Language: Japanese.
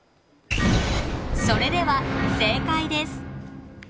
それでは正解です。